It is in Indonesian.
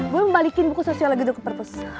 saya melawan buku s kabul negara ke purpose